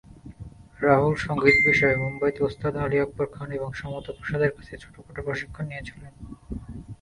রাহুল সঙ্গীত বিষয়ে মুম্বাইতে ওস্তাদ আলী আকবর খান এবং সমতা প্রসাদের কাছে ছোটোখাটো প্রশিক্ষণ নিয়েছিলেন।